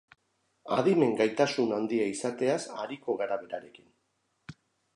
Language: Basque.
Adimen gaitasun handia izateaz ariko gara berarekin.